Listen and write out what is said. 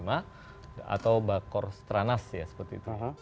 atau bakor stranas ya seperti itu